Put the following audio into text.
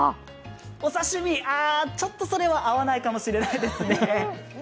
お刺身、ちょっとそれは合わないかもしれないですね。